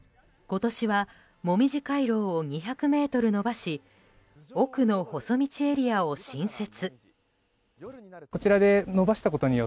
今年はもみじ回廊を２００ｍ伸ばし奥の細道エリアを新設。